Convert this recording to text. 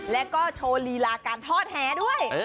แล้วก็โชว์ลีลาการทอดแหด้วย